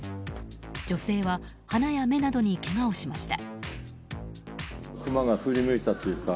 女性は鼻や目などにけがをしました。